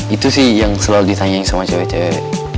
itu sih yang selalu ditanyain sama cewek cewek